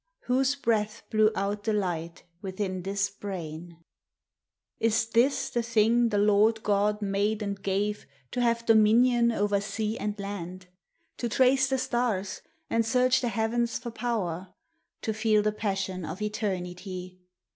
Whose breath blew out the light within this brain ? Ts this the Thing the L<»rd God made and gave To have dominion over sea and land ; To trace the stars and search theheavens forpower; To feel the passion of Eternity?